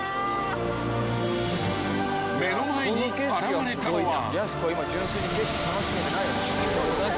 ［目の前に現れたのは］